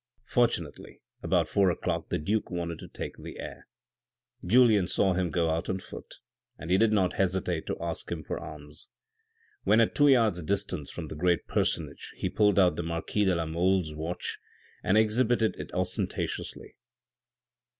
Fortunately about four o'clock the duke wanted to take the air. Julien saw him go out on foot and he did not hesitate to ask him for alms. When at two yards' distance from the great personage he pulled out the Marquis de la Mole's watch and exhibited it ostentatiously.